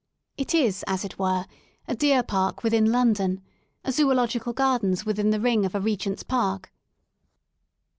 It is, as it were, a deer park within London; a Zoological Gardens within the ring of a Regent's Park.